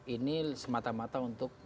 ini semata mata untuk